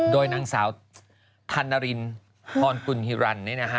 โดยนางสาวธนรินพรกุลฮิรันดินะฮะ